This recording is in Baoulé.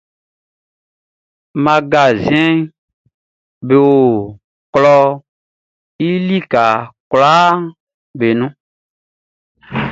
Magasinʼm be o klɔʼn i lika kwlaa nun.